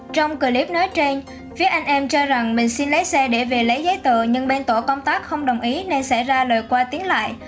trong clip nói trên phía anh em cho rằng mình xin lấy xe để về lấy giấy tờ nhưng bên tổ công tác không đồng ý nên xảy ra lời qua tiếng lại